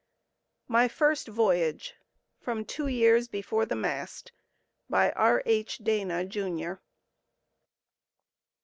MY FIRST VOYAGE (From Two Years Before the Mast.) By R. H. DANA, Jr.